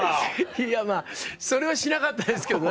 いやまぁそれはしなかったですけどね。